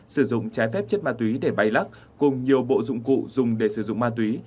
sử dụng trái phép chất ma túy để bay lắc cùng nhiều bộ dụng cụ dùng để sử dụng ma túy